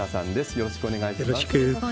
よろしくお願いします。